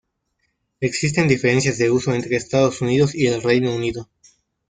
Existen diferencias de uso entre Estados Unidos y el Reino Unido.